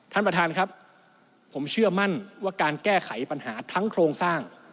ท่านประธานครับผมเชื่อมั่นว่าการแก้ไขปัญหาทั้งโครงสร้าง